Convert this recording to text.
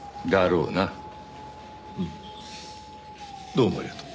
どうもありがとう。